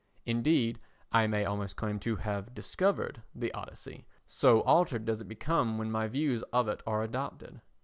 Indeed, I may almost claim to have discovered the Odyssey, so altered does it become when my views of it are adopted.